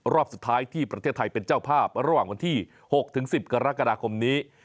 รอบสุดท้ายที่ประเทศไทยเป็นเจ้าภาพระหว่างวันที่๖๑๐กรกฎาคมนี้